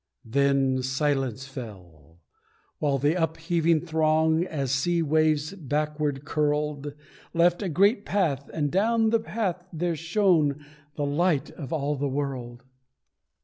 Then silence fell, while the upheaving throng, As sea waves backward curled, Left a great path, and down the path there shone The Light of all the world.